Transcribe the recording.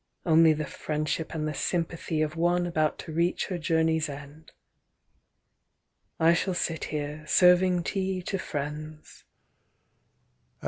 Only the friendship and the sympathy Of one about to reach her journey's end. I shall sit here, serving tea to friends...."